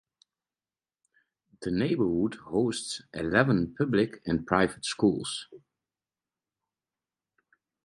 The neighborhood hosts eleven public and private schools.